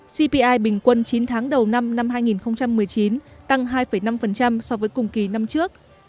cpi bình quân chín tháng đầu năm hai nghìn một mươi chín tăng hai năm so với cùng kỳ năm trước